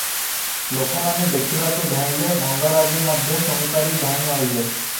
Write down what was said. ଲୋକମାନେ ଦେଖିବାକୁ ଧାଇଁଲେ, ମଙ୍ଗରାଜେ ମଧ୍ୟ ଶୁଣିପାରି ଧାଇଁଅଇଲେ ।